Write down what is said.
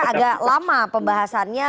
agak lama pembahasannya